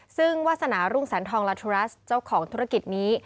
ซึ่งวาสนารุ่งสันทองลาทุรัสเจ้าของธุรกิจนี้